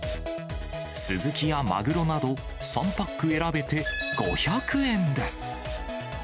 スズキやマグロなど、３パック選べて５００円です。